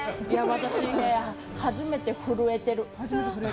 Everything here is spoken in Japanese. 私、初めて震えてる。